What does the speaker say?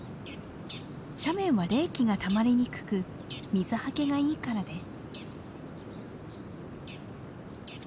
斜面は冷気がたまりにくく水はけがいいからです。